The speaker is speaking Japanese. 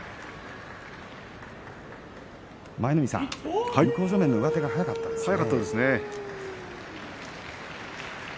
舞の海さん、向正面の上手が速かったですね。